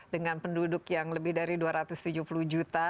dengan penduduk yang lebih dari dua ratus tujuh puluh juta